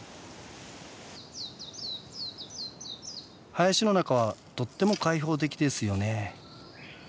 林の中はとっても開放的ですよね。